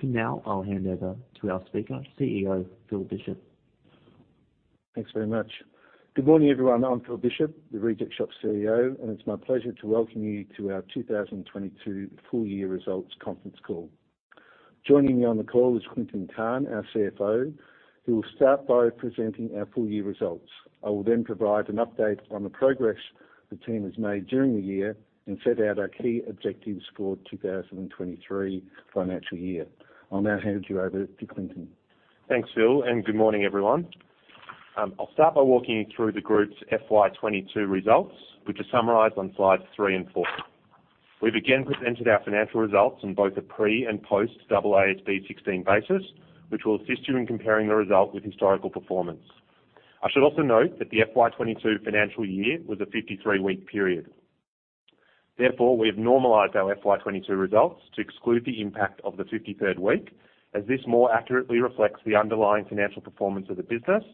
For now, I'll hand over to our speaker, CEO Phil Bishop. Thanks very much. Good morning, everyone. I'm Phil Bishop, The Reject Shop CEO, and it's my pleasure to welcome you to our 2022 full year results conference call. Joining me on the call is Clinton Cahn, our CFO, who will start by presenting our full year results. I will then provide an update on the progress the team has made during the year and set out our key objectives for 2023 financial year. I'll now hand you over to Clinton. Thanks, Phil, and good morning, everyone. I'll start by walking you through the group's FY 2022 results, which are summarized on slide three and four. We've again presented our financial results in both a pre- and post-AASB 16 basis, which will assist you in comparing the result with historical performance. I should also note that the FY 2022 financial year was a 53-week period. Therefore, we have normalized our FY 2022 results to exclude the impact of the 53rd week, as this more accurately reflects the underlying financial performance of the business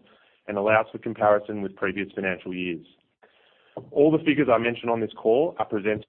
and allows for comparison with previous financial years. All the figures I mentioned on this call are presented.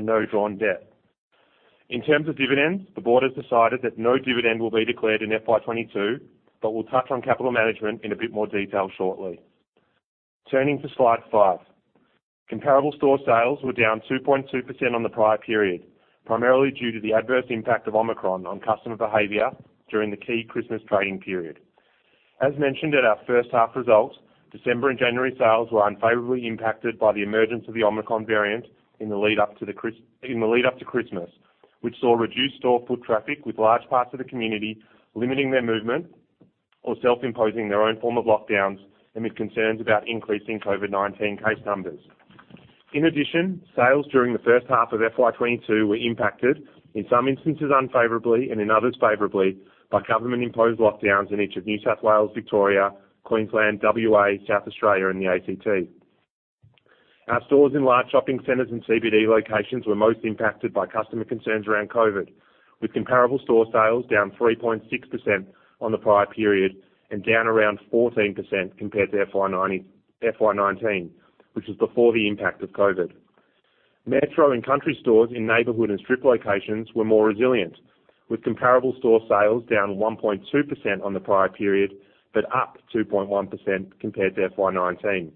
No drawn debt. In terms of dividends, the board has decided that no dividend will be declared in FY 2022, but we'll touch on capital management in a bit more detail shortly. Turning to slide five. Comparable store sales were down 2.2% on the prior period, primarily due to the adverse impact of Omicron on customer behavior during the key Christmas trading period. As mentioned at our first half results, December and January sales were unfavorably impacted by the emergence of the Omicron variant in the lead up to Christmas, which saw reduced store foot traffic with large parts of the community limiting their movement or self-imposing their own form of lockdowns amid concerns about increasing COVID-19 case numbers. In addition, sales during the first half of FY 2022 were impacted, in some instances unfavorably and in others favorably, by government imposed lockdowns in each of New South Wales, Victoria, Queensland, WA, South Australia and the ACT. Our stores in large shopping centers and CBD locations were most impacted by customer concerns around COVID, with comparable store sales down 3.6% on the prior period and down around 14% compared to FY 2020, FY 2019, which was before the impact of COVID. Metro and country stores in neighborhood and strip locations were more resilient, with comparable store sales down 1.2% on the prior period, but up 2.1% compared to FY 2019.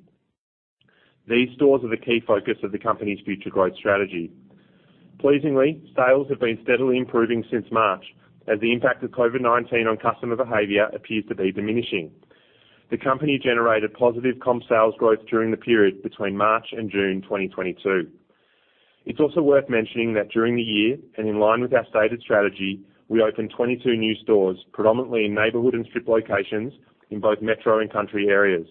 These stores are the key focus of the company's future growth strategy. Pleasingly, sales have been steadily improving since March, as the impact of COVID-19 on customer behavior appears to be diminishing. The company generated positive comp sales growth during the period between March and June 2022. It's also worth mentioning that during the year, and in line with our stated strategy, we opened 22 new stores, predominantly in neighborhood and strip locations in both metro and country areas.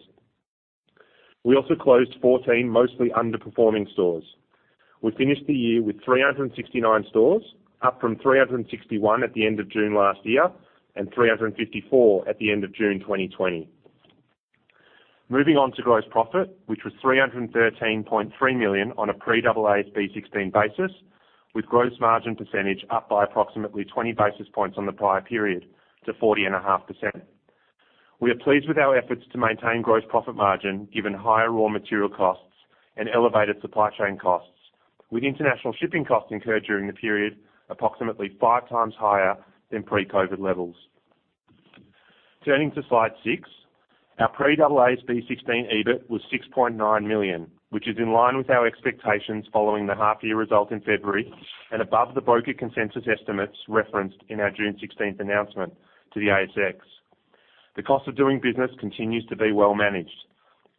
We also closed 14 mostly underperforming stores. We finished the year with 369 stores, up from 361 at the end of June last year, and 354 at the end of June 2020. Moving on to gross profit, which was 313.3 million on a pre-AASB 16 basis, with gross margin % up by approximately 20 basis points on the prior period to 40.5%. We are pleased with our efforts to maintain gross profit margin, given higher raw material costs and elevated supply chain costs, with international shipping costs incurred during the period approximately five times higher than pre-COVID levels. Turning to slide six. Our pre-AASB 16 EBIT was 6.9 million, which is in line with our expectations following the half year result in February and above the broker consensus estimates referenced in our June 16th announcement to the ASX. The cost of doing business continues to be well managed.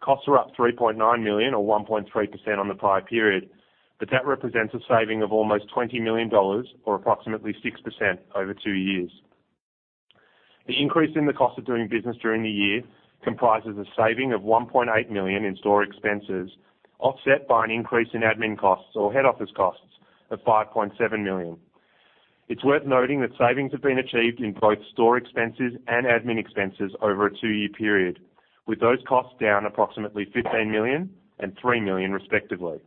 Costs are up 3.9 million or 1.3% on the prior period, but that represents a saving of almost 20 million dollars or approximately 6% over two years. The increase in the cost of doing business during the year comprises a saving of 1.8 million in store expenses, offset by an increase in admin costs or head office costs of 5.7 million. It's worth noting that savings have been achieved in both store expenses and admin expenses over a two-year period, with those costs down approximately 15 million and 3 million, respectively.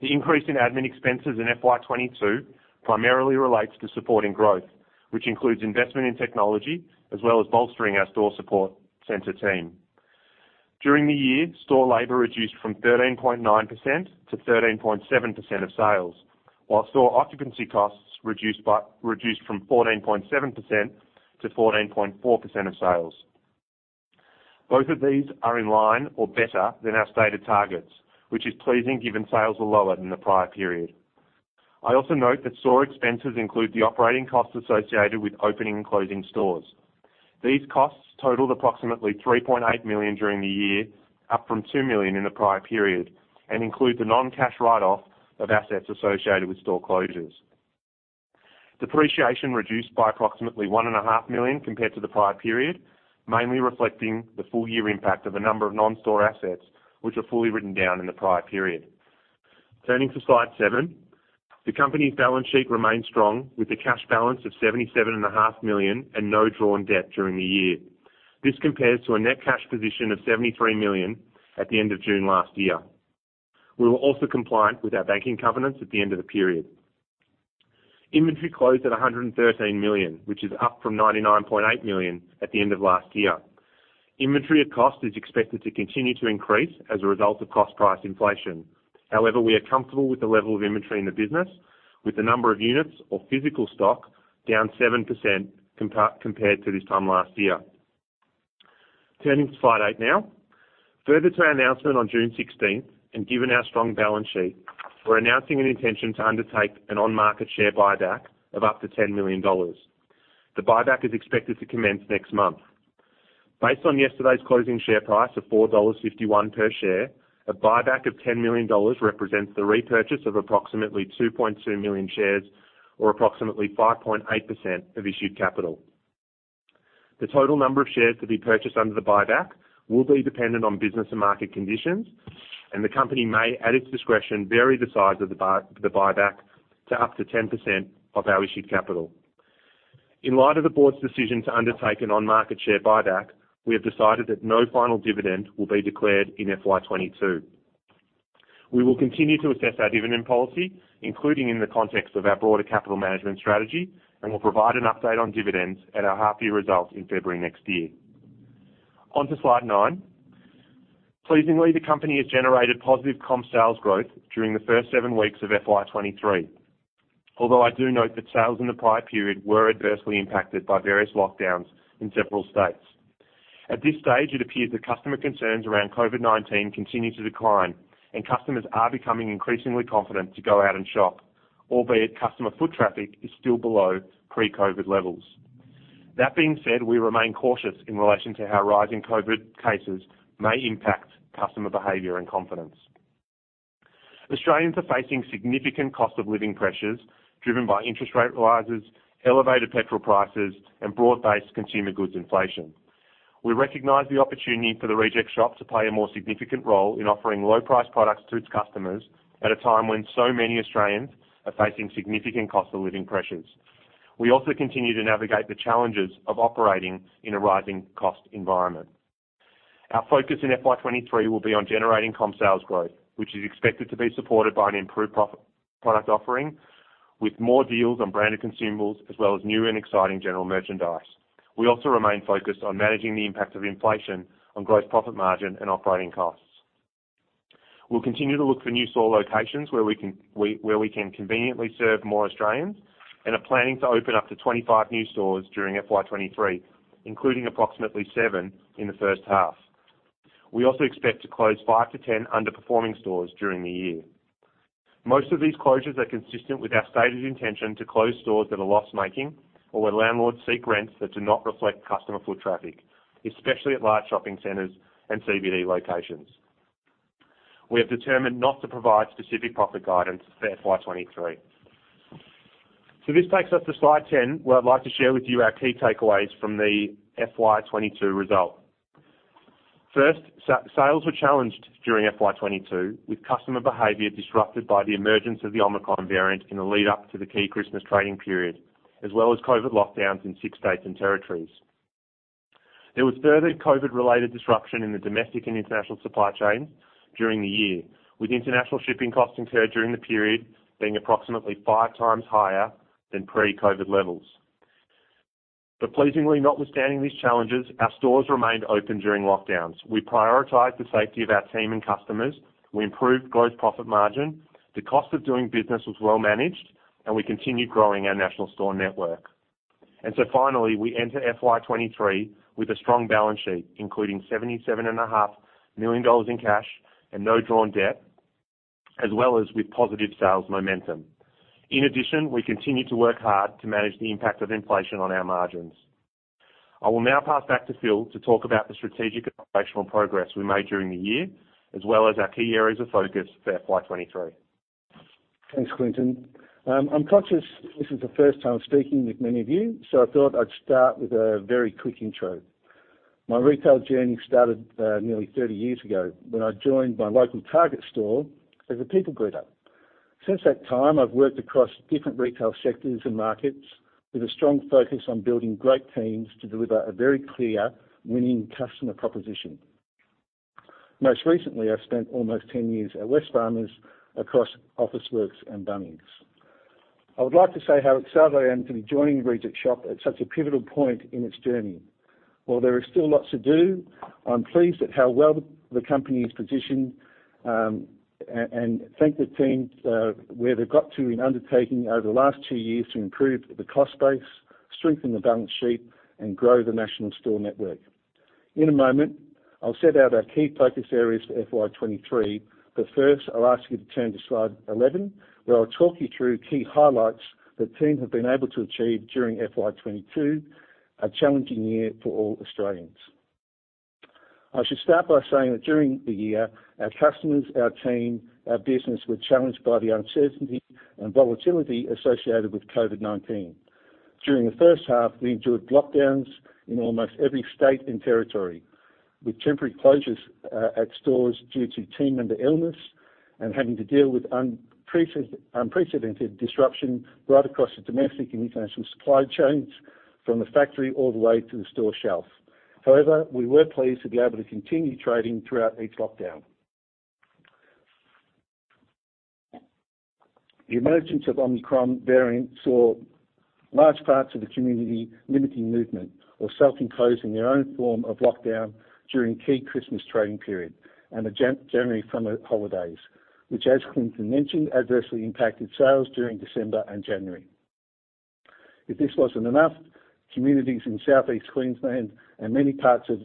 The increase in admin expenses in FY 2022 primarily relates to supporting growth, which includes investment in technology as well as bolstering our store support center team. During the year, store labor reduced from 13.9%-13.7% of sales, while store occupancy costs reduced from 14.7%-14.4% of sales. Both of these are in line or better than our stated targets, which is pleasing given sales were lower than the prior period. I also note that store expenses include the operating costs associated with opening and closing stores. These costs totaled approximately 3.8 million during the year, up from 2 million in the prior period, and include the non-cash write-off of assets associated with store closures. Depreciation reduced by approximately 1,500,000 compared to the prior period, mainly reflecting the full year impact of a number of non-store assets which were fully written down in the prior period. Turning to slide seven. The company's balance sheet remains strong, with a cash balance of 77,500,000 and no drawn debt during the year. This compares to a net cash position of 73 million at the end of June last year. We were also compliant with our banking covenants at the end of the period. Inventory closed at 113 million, which is up from 99.8 million at the end of last year. Inventory is expected to continue to increase as a result of cost price inflation. However, we are comfortable with the level of inventory in the business with the number of units or physical stock down 7% compared to this time last year. Turning to slide eight now. Further to our announcement on June 16th and given our strong balance sheet, we're announcing an intention to undertake an on-market share buyback of up to 10 million dollars. The buyback is expected to commence next month. Based on yesterday's closing share price of 4.51 dollars per share, a buyback of 10 million dollars represents the repurchase of approximately 2.2 million shares or approximately 5.8% of issued capital. The total number of shares to be purchased under the buyback will be dependent on business and market conditions, and the company may, at its discretion, vary the size of the buyback to up to 10% of our issued capital. In light of the board's decision to undertake an on-market share buyback, we have decided that no final dividend will be declared in FY 2022. We will continue to assess our dividend policy, including in the context of our broader capital management strategy, and will provide an update on dividends at our half year results in February next year. On to slide nine. Pleasingly, the company has generated positive comp sales growth during the first seven weeks of FY 2023. Although I do note that sales in the prior period were adversely impacted by various lockdowns in several states. At this stage, it appears that customer concerns around COVID-19 continue to decline, and customers are becoming increasingly confident to go out and shop, albeit customer foot traffic is still below pre-COVID levels. That being said, we remain cautious in relation to how rising COVID cases may impact customer behavior and confidence. Australians are facing significant cost of living pressures driven by interest rate rises, elevated gasoline prices, and broad-based consumer goods inflation. We recognize the opportunity for The Reject Shop to play a more significant role in offering low-price products to its customers at a time when so many Australians are facing significant cost of living pressures. We also continue to navigate the challenges of operating in a rising cost environment. Our focus in FY 2023 will be on generating comp sales growth, which is expected to be supported by an improved product offering with more deals on branded Consumables as well as new and exciting General Merchandise. We also remain focused on managing the impact of inflation on gross profit margin and operating costs. We'll continue to look for new store locations where we can conveniently serve more Australians and are planning to open up to 25 new stores during FY 2023, including approximately seven in the first half. We also expect to close five to 10 underperforming stores during the year. Most of these closures are consistent with our stated intention to close stores that are loss-making or where landlords seek rents that do not reflect customer foot traffic, especially at large shopping centers and CBD locations. We have determined not to provide specific profit guidance for FY 2023. This takes us to slide 10, where I'd like to share with you our key takeaways from the FY 2022 result. First, sales were challenged during FY 2022, with customer behavior disrupted by the emergence of the Omicron variant in the lead up to the key Christmas trading period, as well as COVID lockdowns in six states and territories. There was further COVID-related disruption in the domestic and international supply chain during the year, with international shipping costs incurred during the period being approximately five times higher than pre-COVID levels. Pleasingly, notwithstanding these challenges, our stores remained open during lockdowns. We prioritized the safety of our team and customers. We improved gross profit margin. The cost of doing business was well managed, and we continued growing our national store network. Finally, we enter FY 2023 with a strong balance sheet, including 77,500,000 dollars in cash and no drawn debt, as well as with positive sales momentum. In addition, we continue to work hard to manage the impact of inflation on our margins. I will now pass back to Phil to talk about the strategic operational progress we made during the year, as well as our key areas of focus for FY 2023. Thanks, Clinton. I'm conscious this is the first time speaking with many of you, so I thought I'd start with a very quick intro. My retail journey started nearly 30 years ago when I joined my local Target store as a people greeter. Since that time, I've worked across different retail sectors and markets with a strong focus on building great teams to deliver a very clear winning customer proposition. Most recently, I've spent almost 10 years at Wesfarmers across Officeworks and Bunnings. I would like to say how excited I am to be joining The Reject Shop at such a pivotal point in its journey. While there is still lots to do, I'm pleased at how well the company is positioned, and thank the team where they've got to in undertaking over the last two years to improve the cost base, strengthen the balance sheet, and grow the national store network. In a moment, I'll set out our key focus areas for FY23. First, I'll ask you to turn to slide 11, where I'll talk you through key highlights the team have been able to achieve during FY22, a challenging year for all Australians. I should start by saying that during the year, our customers, our team, our business were challenged by the uncertainty and volatility associated with COVID-19. During the first half, we endured lockdowns in almost every state and territory, with temporary closures at stores due to team member illness and having to deal with unprecedented disruption right across the domestic and international supply chains from the factory all the way to the store shelf. However, we were pleased to be able to continue trading throughout each lockdown. The emergence of Omicron variant saw large parts of the community limiting movement or self-imposing their own form of lockdown during key Christmas trading period and the January summer holidays, which, as Clinton mentioned, adversely impacted sales during December and January. If this wasn't enough, communities in Southeast Queensland and many parts of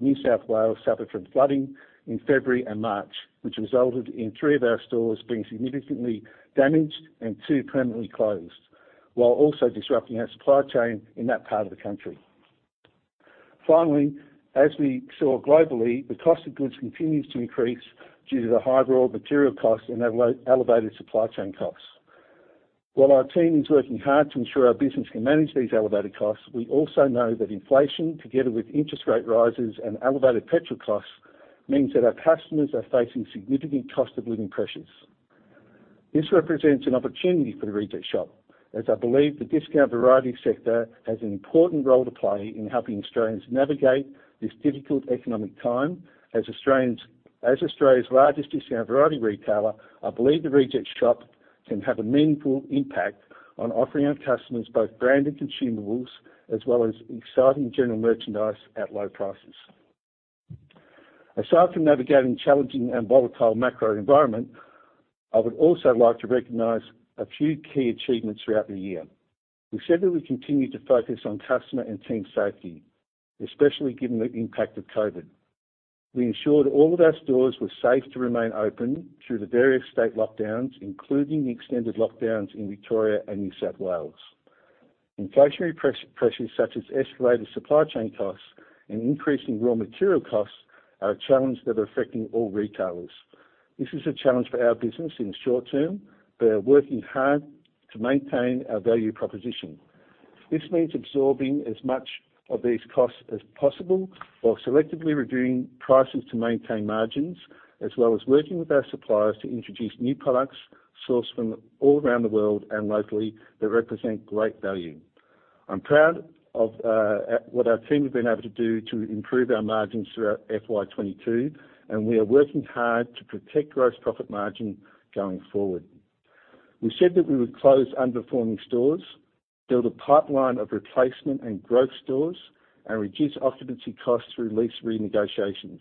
New South Wales suffered from flooding in February and March, which resulted in three of our stores being significantly damaged and two permanently closed, while also disrupting our supply chain in that part of the country. Finally, as we saw globally, the cost of goods continues to increase due to the high raw material costs and elevated supply chain costs. While our team is working hard to ensure our business can manage these elevated costs, we also know that inflation, together with interest rate rises and elevated petrol costs, means that our customers are facing significant cost of living pressures. This represents an opportunity for The Reject Shop, as I believe the discount variety sector has an important role to play in helping Australians navigate this difficult economic time. As Australia's largest discount variety retailer, I believe The Reject Shop can have a meaningful impact on offering our customers both branded Consumables as well as exciting General Merchandise at low prices. Aside from navigating challenging and volatile macro environment, I would also like to recognize a few key achievements throughout the year. We said that we continue to focus on customer and team safety, especially given the impact of COVID. We ensured all of our stores were safe to remain open through the various state lockdowns, including the extended lockdowns in Victoria and New South Wales. Inflationary pressures such as escalated supply chain costs and increasing raw material costs are a challenge that are affecting all retailers. This is a challenge for our business in the short term, but are working hard to maintain our value proposition. This means absorbing as much of these costs as possible while selectively reviewing prices to maintain margins, as well as working with our suppliers to introduce new products sourced from all around the world and locally that represent great value. I'm proud of, what our team have been able to do to improve our margins throughout FY22, and we are working hard to protect gross profit margin going forward. We said that we would close underperforming stores, build a pipeline of replacement and growth stores, and reduce occupancy costs through lease renegotiations.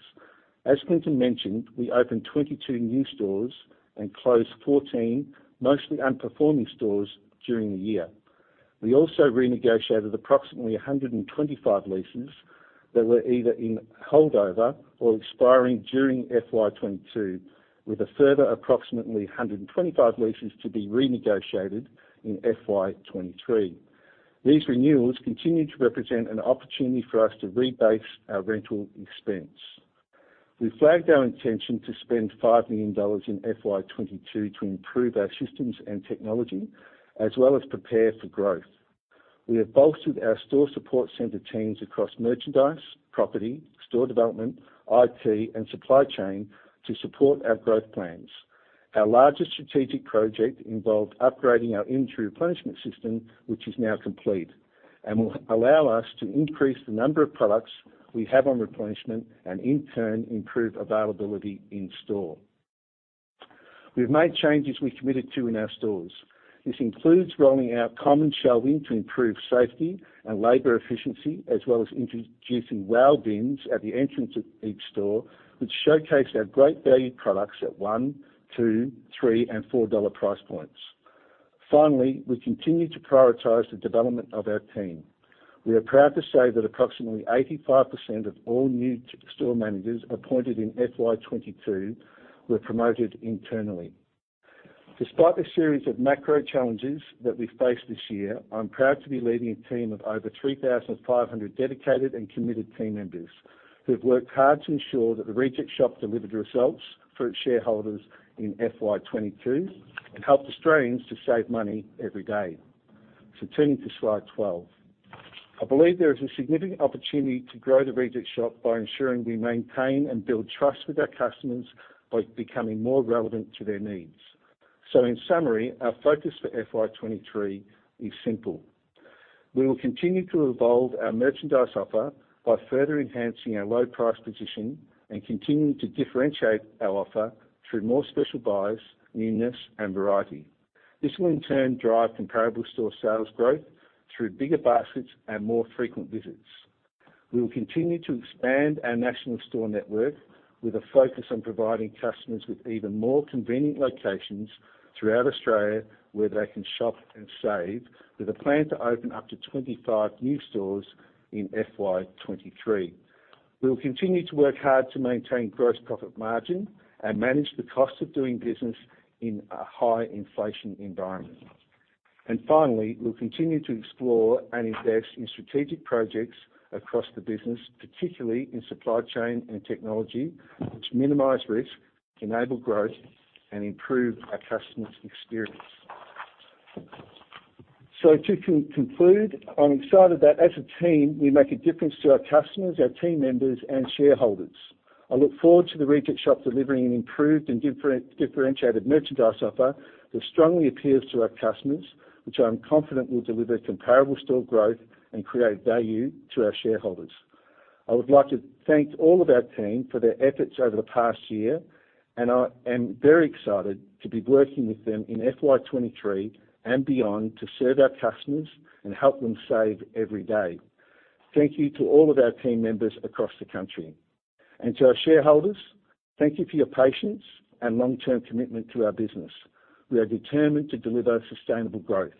As Clinton mentioned, we opened 22 new stores and closed 14, mostly underperforming stores during the year. We also renegotiated approximately 125 leases that were either in holdover or expiring during FY22, with a further approximately 125 leases to be renegotiated in FY23. These renewals continue to represent an opportunity for us to rebase our rental expense. We flagged our intention to spend 5 million dollars in FY 2022 to improve our systems and technology, as well as prepare for growth. We have bolstered our store support center teams across merchandise, property, store development, IT, and supply chain to support our growth plans. Our largest strategic project involved upgrading our inventory replenishment system, which is now complete and will allow us to increase the number of products we have on replenishment and in turn, improve availability in store. We've made changes we committed to in our stores. This includes rolling out common shelving to improve safety and labor efficiency, as well as introducing Wow Bins at the entrance of each store, which showcase our great value products at 1, 2, 3, and 4 dollar price points. Finally, we continue to prioritize the development of our team. We are proud to say that approximately 85% of all new store managers appointed in FY22 were promoted internally. Despite the series of macro challenges that we faced this year, I'm proud to be leading a team of over 3,500 dedicated and committed team members who have worked hard to ensure that The Reject Shop delivered results for its shareholders in FY22 and helped Australians to save money every day. Turning to slide 12. I believe there is a significant opportunity to grow The Reject Shop by ensuring we maintain and build trust with our customers by becoming more relevant to their needs. In summary, our focus for FY23 is simple. We will continue to evolve our merchandise offer by further enhancing our low price position and continuing to differentiate our offer through more special buys, newness, and variety. This will in turn drive comparable store sales growth through bigger baskets and more frequent visits. We will continue to expand our national store network with a focus on providing customers with even more convenient locations throughout Australia where they can shop and save, with a plan to open up to 25 new stores in FY23. We will continue to work hard to maintain gross profit margin and manage the cost of doing business in a high inflation environment. Finally, we'll continue to explore and invest in strategic projects across the business, particularly in supply chain and technology, which minimize risk, enable growth and improve our customers' experience. To conclude, I'm excited that as a team, we make a difference to our customers, our team members and shareholders. I look forward to The Reject Shop delivering an improved and differentiated merchandise offer that strongly appeals to our customers, which I am confident will deliver comparable store growth and create value to our shareholders. I would like to thank all of our team for their efforts over the past year, and I am very excited to be working with them in FY 2023 and beyond to serve our customers and help them save every day. Thank you to all of our team members across the country. To our shareholders, thank you for your patience and long-term commitment to our business. We are determined to deliver sustainable growth.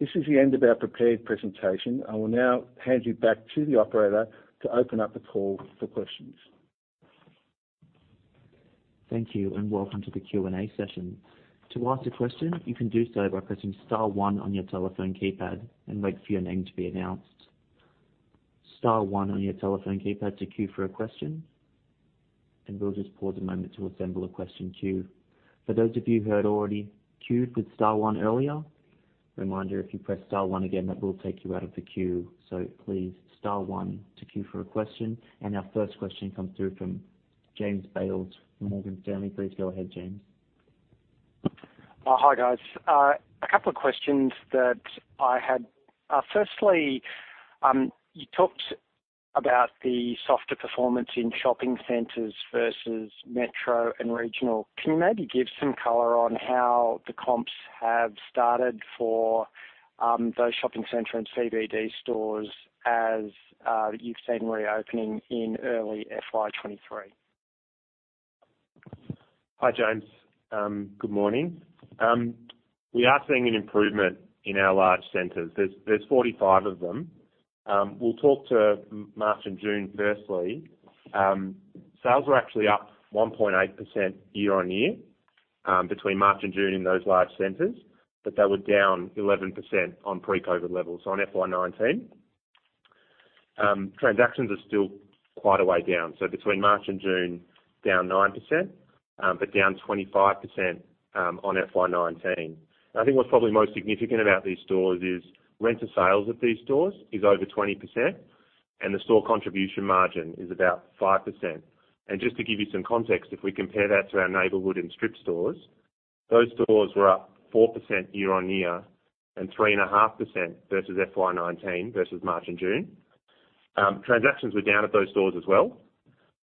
This is the end of our prepared presentation. I will now hand you back to the operator to open up the call for questions. Thank you, and welcome to the Q&A session. To ask a question, you can do so by pressing star one on your telephone keypad and wait for your name to be announced. Star one on your telephone keypad to queue for a question. We'll just pause a moment to assemble a question queue. For those of you who had already queued with star one earlier, reminder, if you press star one again, that will take you out of the queue. Please star one to queue for a question. Our first question comes through from James Bales from Morgan Stanley. Please go ahead, James. Hi, guys. A couple of questions that I had. Firstly, you talked about the softer performance in shopping centers vs metro and regional. Can you maybe give some color on how the comps have started for those shopping center and CBD stores as you've seen reopening in early FY 2023? Hi, James. Good morning. We are seeing an improvement in our large centers. There are 45 of them. We'll talk to March and June, firstly. Sales were actually up 1.8% year-on-year between March and June in those large centers, but they were down 11% on pre-COVID levels on FY 2019. Transactions are still quite a way down, so between March and June down 9%, but down 25% on FY 2019. I think what's probably most significant about these stores is rent to sales at these stores is over 20%, and the store contribution margin is about 5%. Just to give you some context, if we compare that to our neighborhood and strip stores, those stores were up 4% year-on-year and 3.5% vs FY2019 vs March and June. Transactions were down at those stores as well.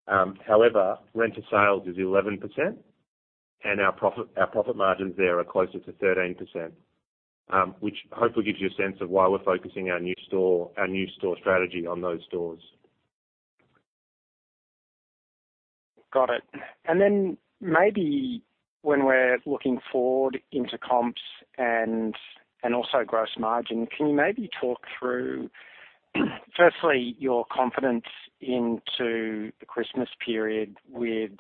However, rent to sales is 11% and our profit margins there are closer to 13%, which hopefully gives you a sense of why we're focusing our new store strategy on those stores. Got it. Maybe when we're looking forward into comps and also gross margin, can you maybe talk through firstly your confidence into the Christmas period with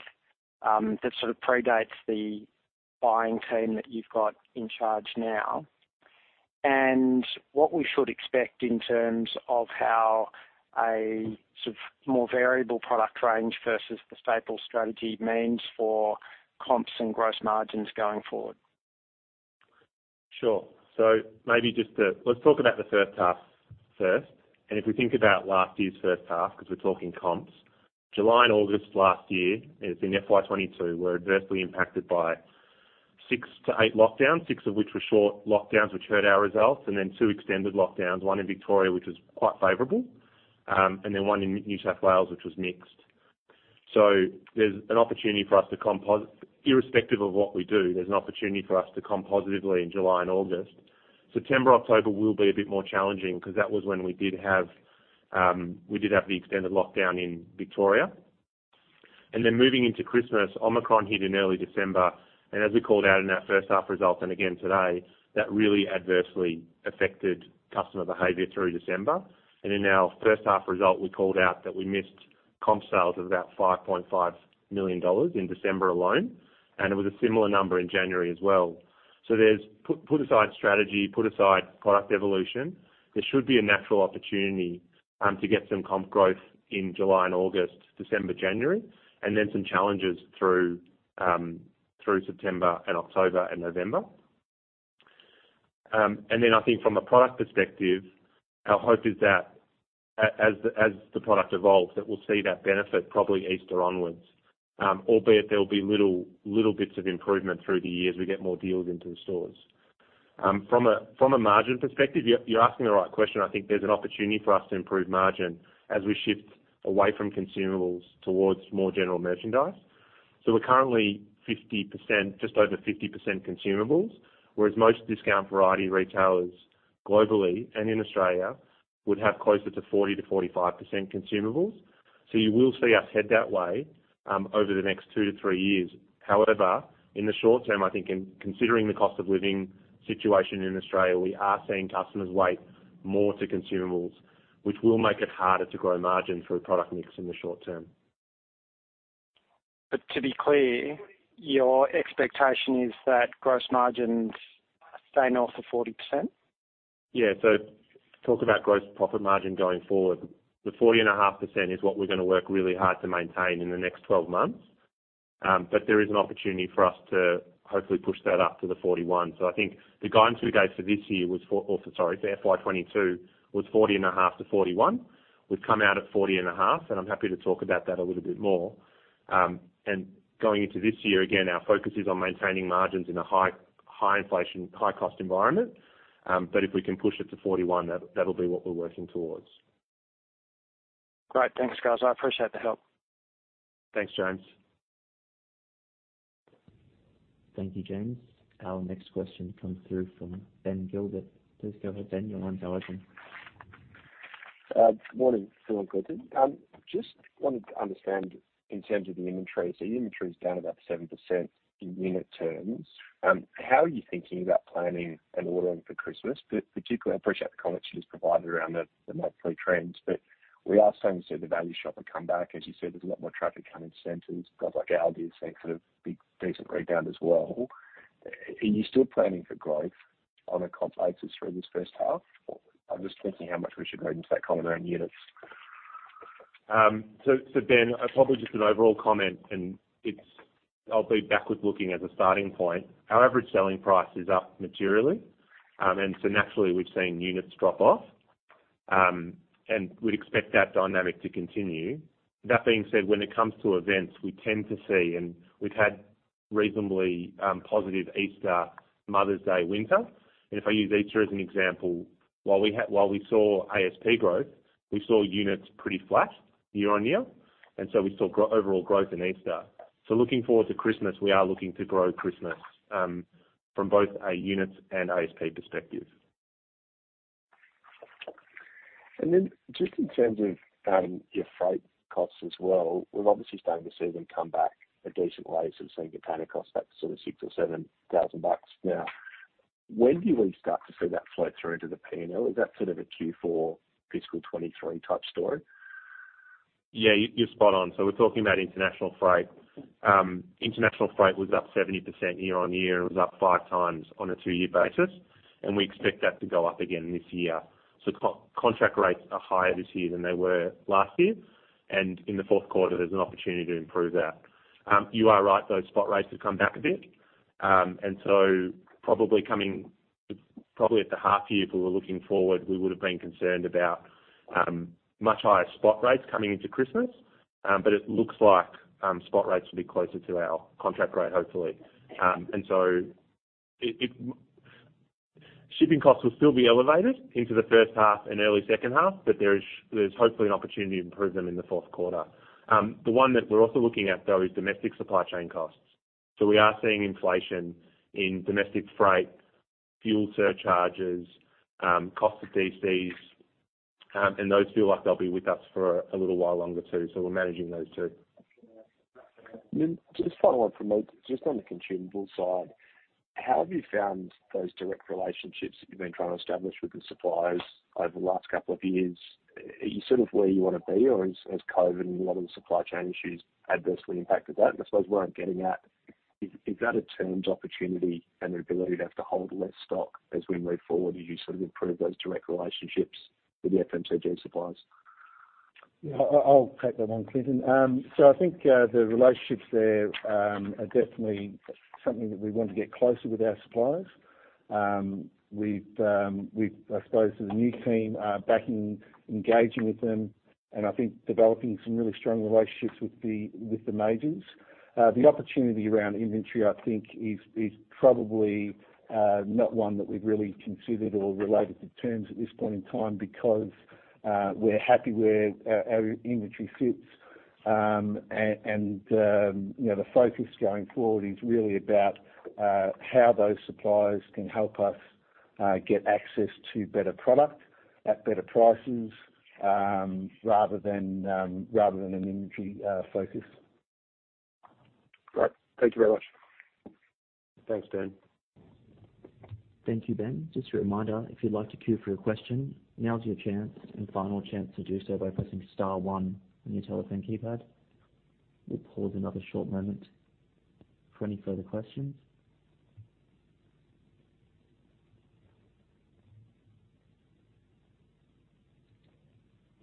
that sort of predates the buying team that you've got in charge now? What we should expect in terms of how a sort of more variable product range vs the staple strategy means for comps and gross margins going forward. Sure. Maybe just, let's talk about the first half first, if we think about last year's first half, 'cause we're talking comps. July and August last year, as in FY 2022, were adversely impacted by six to eight lockdowns, six of which were short lockdowns, which hurt our results, and then two extended lockdowns, one in Victoria, which was quite favorable, and then one in New South Wales, which was mixed. Irrespective of what we do, there's an opportunity for us to comp positively in July and August. September, October will be a bit more challenging 'cause that was when we did have the extended lockdown in Victoria. Moving into Christmas, Omicron hit in early December, and as we called out in our first half results and again today, that really adversely affected customer behavior through December. In our first half result, we called out that we missed comp sales of about 5.5 million dollars in December alone, and it was a similar number in January as well. There's put aside strategy, put aside product evolution, there should be a natural opportunity to get some comp growth in July and August, December, January, and then some challenges through September and October and November. I think from a product perspective, our hope is that as the product evolves, that we'll see that benefit probably Easter onwards. Albeit there'll be little bits of improvement through the year as we get more deals into the stores. From a margin perspective, you're asking the right question. I think there's an opportunity for us to improve margin as we shift away from Consumables towards more General Merchandise. We're currently 50%, just over 50% Consumables, whereas most discount variety retailers globally and in Australia would have closer to 40%-45% Consumables. You will see us head that way, over the next two to three years. However, in the short term, I think in considering the cost of living situation in Australia, we are seeing customers weigh more to Consumables, which will make it harder to grow margin through a product mix in the short term. To be clear, your expectation is that gross margins stay north of 40%? Talk about gross profit margin going forward. The 40.5% is what we're gonna work really hard to maintain in the next 12 months. There is an opportunity for us to hopefully push that up to the 41%. I think the guidance we gave for FY 2022 was 40.5%-41%. We've come out at 40.5%, and I'm happy to talk about that a little bit more. Going into this year, again, our focus is on maintaining margins in a high, high inflation, high cost environment. If we can push it to 41%, that'll be what we're working towards. Great. Thanks, guys. I appreciate the help. Thanks, James. Thank you, James. Our next question comes through from Ben Gilbert. Please go ahead, Ben. Your line's open. Good morning to you all. Just wanted to understand in terms of the inventory. Your inventory is down about 7% in unit terms. How are you thinking about planning and ordering for Christmas? Particularly, I appreciate the comments you just provided around the monthly trends. We are starting to see the value shopper come back. As you said, there's a lot more traffic coming to centers. Guys like Aldi are seeing sort of decent rebound as well. Are you still planning for growth on a comp basis through this first half? I'm just thinking how much we should read into that comment around units. Ben, probably just an overall comment, and it's— I'll be backward-looking as a starting point. Our average selling price is up materially. Naturally we've seen units drop off, and we'd expect that dynamic to continue. That being said, when it comes to events, we tend to see and we've had reasonably positive Easter, Mother's Day, winter. If I use Easter as an example, while we saw ASP growth, we saw units pretty flat year-on-year, and so we saw overall growth in Easter. Looking forward to Christmas, we are looking to grow Christmas from both a units and ASP perspective. Just in terms of your freight costs as well, we're obviously starting to see them come back a decent way. We're seeing container costs back to sort of 6,000 or 7,000 bucks now. When do we start to see that flow through into the P&L? Is that sort of a Q4 fiscal 2023 type story? Yeah, you're spot on. We're talking about international freight. International freight was up 70% year-on-year. It was up five times on a two-year basis, and we expect that to go up again this year. Contract rates are higher this year than they were last year. In the fourth quarter, there's an opportunity to improve that. You are right, those spot rates have come back a bit. Probably at the half year, if we were looking forward, we would have been concerned about much higher spot rates coming into Christmas. It looks like spot rates will be closer to our contract rate, hopefully. Shipping costs will still be elevated into the first half and early second half, but there's hopefully an opportunity to improve them in the fourth quarter. The one that we're also looking at though, is domestic supply chain costs. We are seeing inflation in domestic freight, fuel surcharges, cost of DCs, and those feel like they'll be with us for a little while longer too. We're managing those too. Just follow up from me, just on the Consumables side, how have you found those direct relationships that you've been trying to establish with the suppliers over the last couple of years? Are you sort of where you wanna be or has COVID and a lot of the supply chain issues adversely impacted that? I suppose where I'm getting at is that a terms opportunity and an ability to have to hold less stock as we move forward? Do you sort of improve those direct relationships with the FMCG suppliers? Yeah, I'll take that one, Clinton. So I think the relationships there are definitely something that we want to get closer with our suppliers. I suppose as a new team, we've begun engaging with them and I think developing some really strong relationships with the majors. The opportunity around inventory, I think, is probably not one that we've really considered or related to terms at this point in time because we're happy where our inventory sits. You know, the focus going forward is really about how those suppliers can help us get access to better product at better prices rather than an inventory focus. Great. Thank you very much. Thanks, Ben. Thank you, Ben. Just a reminder, if you'd like to queue for a question, now's your chance and final chance to do so by pressing star one on your telephone keypad. We'll pause another short moment for any further questions.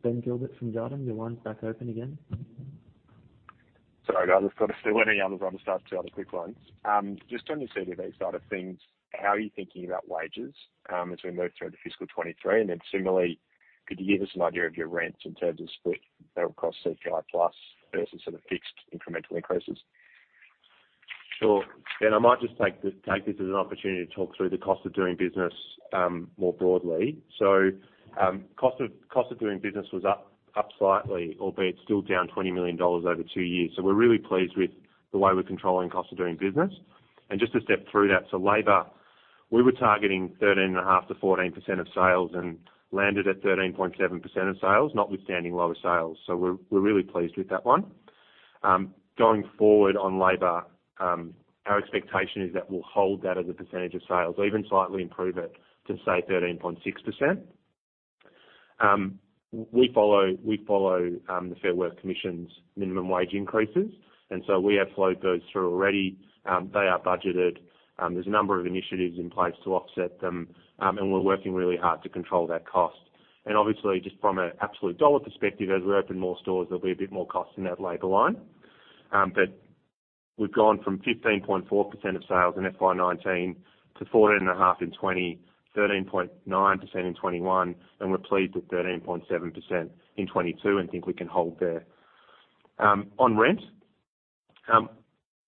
Ben Gilbert from Jarden, your line's back open again. Sorry, guys. I've got a few others I wanna start two other quick ones. Just on the CODB side of things, how are you thinking about wages, as we move through to fiscal 2023? Similarly, could you give us an idea of your rents in terms of split, you know, across CPI plus vs sort of fixed incremental increases? Sure. Ben, I might just take this as an opportunity to talk through the cost of doing business more broadly. Cost of doing business was up slightly, albeit still down 20 million dollars over two years. We're really pleased with the way we're controlling cost of doing business. Just to step through that, labor, we were targeting 13.5%-14% of sales and landed at 13.7% of sales, notwithstanding lower sales. We're really pleased with that one. Going forward on labor, our expectation is that we'll hold that as a % of sales or even slightly improve it to, say, 13.6%. We follow the Fair Work Commission's minimum wage increases, and we have flowed those through already. They are budgeted. There's a number of initiatives in place to offset them. We're working really hard to control that cost. Obviously, just from an absolute dollar perspective, as we open more stores, there'll be a bit more cost in that labor line. We've gone from 15.4% of sales in FY 2019 to 14.5% in 2020, 13.9% in 2021, and we're pleased with 13.7% in 2022 and think we can hold there. On rent,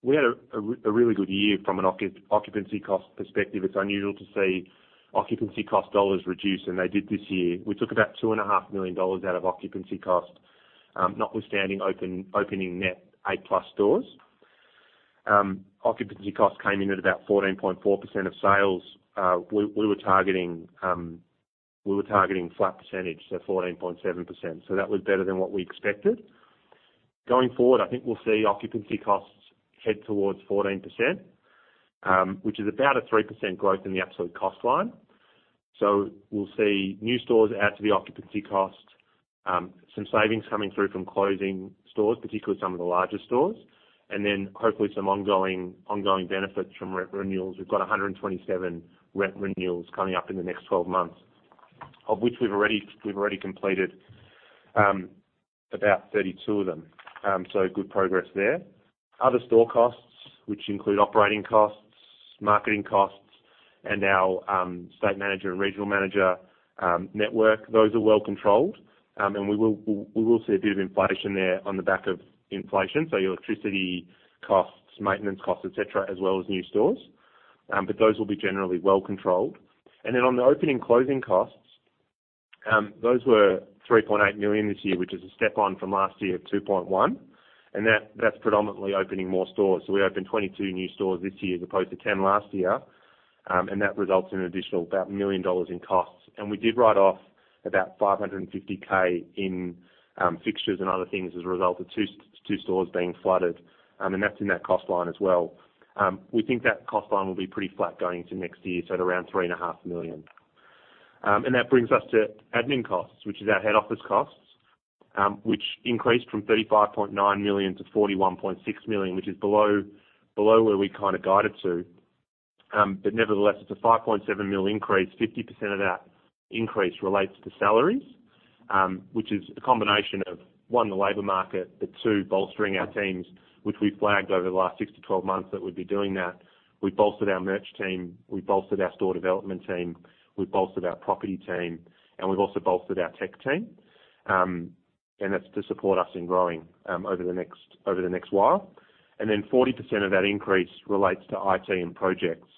we had a really good year from an occupancy cost perspective. It's unusual to see occupancy cost dollars reduce, and they did this year. We took about 2.5 million dollars out of occupancy costs, notwithstanding opening net 8+ stores. Occupancy costs came in at about 14.4% of sales. We were targeting flat %, so 14.7%, so that was better than what we expected. Going forward, I think we'll see occupancy costs head towards 14%, which is about a 3% growth in the absolute cost line. We'll see new stores add to the occupancy cost. Some savings coming through from closing stores, particularly some of the larger stores, and then hopefully some ongoing benefits from rent renewals. We've got 127 rent renewals coming up in the next 12 months, of which we've already completed about 32 of them. Good progress there. Other store costs which include operating costs, marketing costs and our State Manager and Regional Manager network, those are well controlled. We will see a bit of inflation there on the back of inflation. Electricity costs, maintenance costs, et cetera, as well as new stores. Those will be generally well controlled. On the opening and closing costs, those were 3.8 million this year, which is a step on from last year of 2.1 million, and that's predominantly opening more stores. We opened 22 new stores this year as opposed to 10 last year. That results in an additional about 1 million dollars in costs. We did write off about 550,000 in fixtures and other things as a result of two stores being flooded. That's in that cost line as well. We think that cost line will be pretty flat going into next year, so at around 3.5 million. That brings us to admin costs, which is our head office costs, which increased from 35.9 million-41.6 million, which is below where we kinda guided to. Nevertheless it's a 5.7 mil increase. 50% of that increase relates to salaries, which is a combination of, one, the labor market, but two, bolstering our teams, which we flagged over the last six to 12 months that we'd be doing that. We've bolstered our merch team, we've bolstered our store development team, we've bolstered our property team, and we've also bolstered our tech team. That's to support us in growing over the next while. 40% of that increase relates to IT and projects.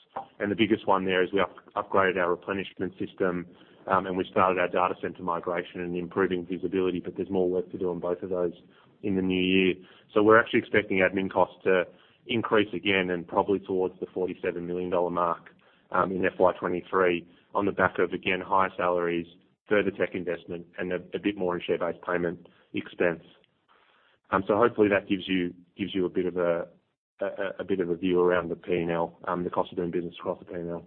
The biggest one there is we upgraded our replenishment system, and we started our data center migration and improving visibility. There's more work to do on both of those in the new year. We're actually expecting admin costs to increase again and probably towards the 47 million dollar mark, in FY 2023 on the back of, again, higher salaries, further tech investment and a bit more in share-based payment expense. Hopefully that gives you a bit of a view around the P&L, the cost of doing business across the P&L.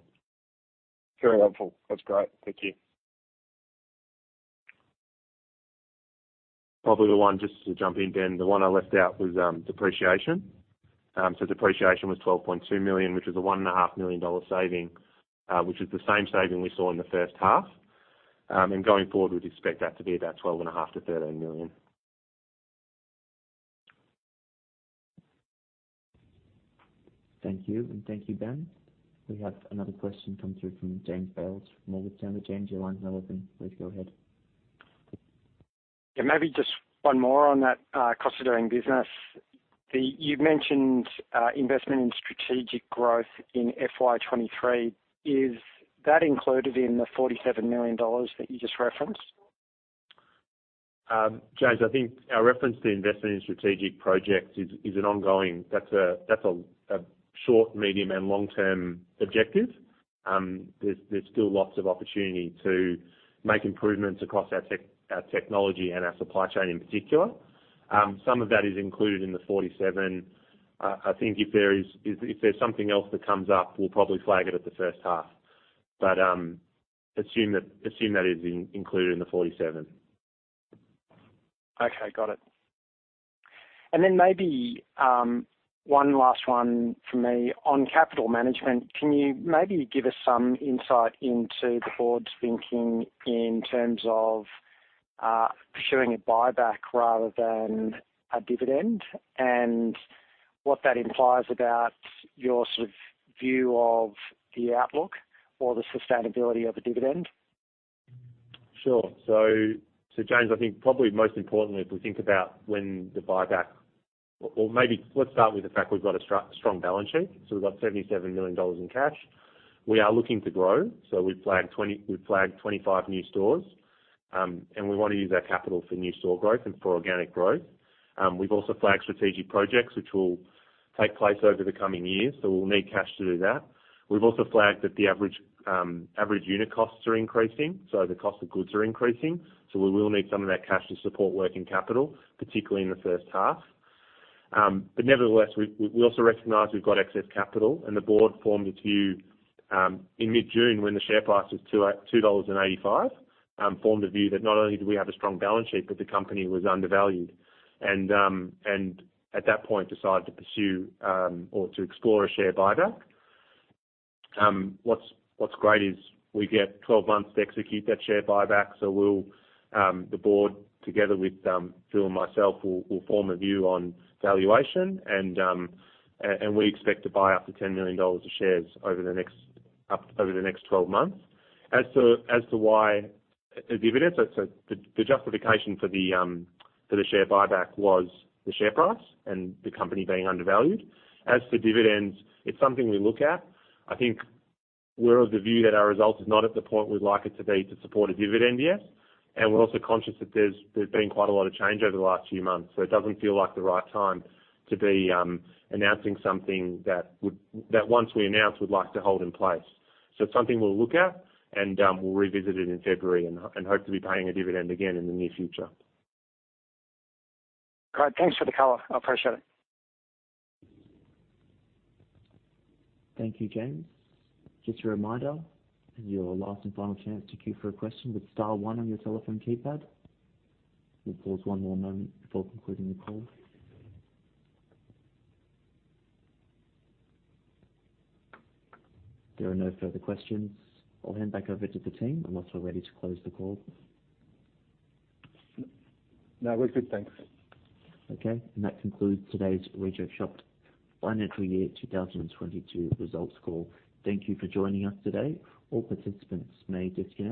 Very helpful. That's great. Thank you. Probably the one just to jump in, Ben, the one I left out was depreciation. Depreciation was 12.2 million, which was a 1.5 million dollar saving, which is the same saving we saw in the first half. Going forward, we'd expect that to be about 12.5-13 million. Thank you, and thank you, Ben. We have another question come through from James Bales from Morgan Stanley. James, your line's now open. Please go ahead. Yeah, maybe just one more on that, cost of doing business. You've mentioned investment in strategic growth in FY 2023. Is that included in the 47 million dollars that you just referenced? James, I think our reference to investment in strategic projects is ongoing. That's a short, medium and long-term objective. There's still lots of opportunity to make improvements across our technology and our supply chain in particular. Some of that is included in the 47 million. I think if there's something else that comes up, we'll probably flag it at the first half. Assume that is included in the 47 million. Okay, got it. Maybe, one last one from me on capital management. Can you maybe give us some insight into the board's thinking in terms of, pursuing a buyback rather than a dividend, and what that implies about your sort of view of the outlook or the sustainability of a dividend? Sure. James, I think probably most importantly, if we think about when the buyback. Or maybe let's start with the fact we've got a strong balance sheet. We've got AUD 77 million in cash. We are looking to grow. We've flagged 25 new stores. We wanna use our capital for new store growth and for organic growth. We've also flagged strategic projects which will take place over the coming years, so we'll need cash to do that. We've also flagged that the average unit costs are increasing, so the cost of goods are increasing. We will need some of that cash to support working capital, particularly in the first half. Nevertheless, we also recognize we've got excess capital and the board formed its view in mid-June when the share price was 2.85 dollars. Formed a view that not only do we have a strong balance sheet, but the company was undervalued and at that point decided to pursue or to explore a share buyback. What's great is we get 12 months to execute that share buyback. We'll the board together with Phil and myself will form a view on valuation and we expect to buy up to 10 million dollars of shares over the next 12 months. As to why the dividends, the justification for the share buyback was the share price and the company being undervalued. As for dividends, it's something we look at. I think we're of the view that our results is not at the point we'd like it to be to support a dividend yet. We're also conscious that there's been quite a lot of change over the last few months, so it doesn't feel like the right time to be announcing something that once we announce we'd like to hold in place. It's something we'll look at and we'll revisit it in February and hope to be paying a dividend again in the near future. Great. Thanks for the color. I appreciate it. Thank you, James. Just a reminder, and your last and final chance to queue for a question with star one on your telephone keypad. We'll pause one more moment before concluding the call. If there are no further questions, I'll hand back over to the team unless we're ready to close the call. No, we're good, thanks. Okay. That concludes today's Reject Shop financial year 2022 results call. Thank you for joining us today. All participants may disconnect.